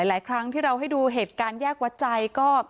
หลายครั้งที่เราให้ดูเหตุการณ์แยกวัดใจก็